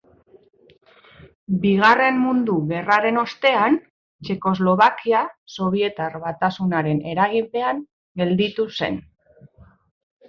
Bigarren Mundu Gerraren ostean, Txekoslovakia Sobietar Batasunaren eraginpean gelditu zen.